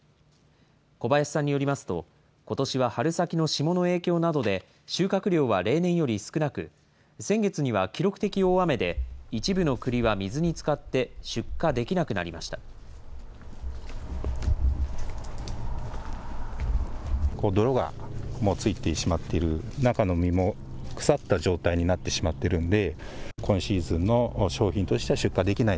小林さんによりますと、ことしは春先の霜の影響などで、収穫量は例年より少なく、先月には記録的大雨で、一部のくりは水につかって出荷できなくなりました。